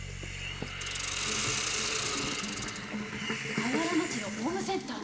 河原町のホームセンター？